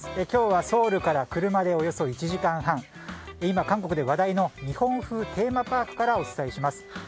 今日はソウルから車でおよそ１時間半今、韓国で話題の日本風テーマパークからお伝えします。